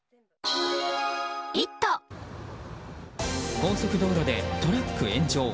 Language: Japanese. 高速道路でトラック炎上。